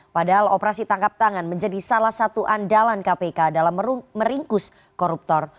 padahal operasi tangkap tangan menjadi salah satu andalan kpk dalam meringkus koruptor